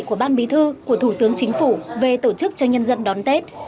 của ban bí thư của thủ tướng chính phủ về tổ chức cho nhân dân đón tết